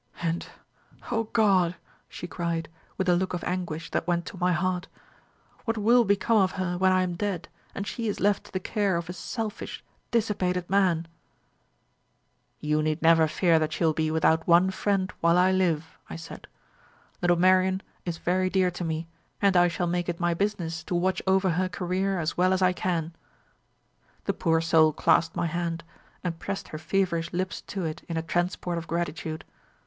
And, O God!' she cried, with a look of anguish that went to my heart, 'what will become of her when I am dead, and she is left to the care of a selfish dissipated man?' "'You need never fear that she will be without one friend while I live,' I said. 'Little Marian is very dear to me, and I shall make it my business to watch over her career as well as I can.' "The poor soul clasped my hand, and pressed her feverish lips to it in a transport of gratitude.